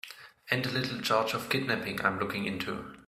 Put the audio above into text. And a little charge of kidnapping I'm looking into.